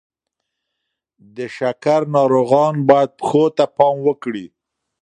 د شکر ناروغان باید پښو ته پام وکړي.